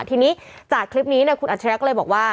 ทีนี้จากคลิปนี้คุณอัจฉริยะก็เลยบอกว่า